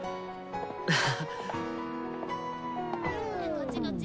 こっちこっち。